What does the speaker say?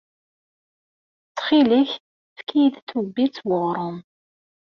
Ttxil-k, efk-iyi-d tubbit n weɣrum.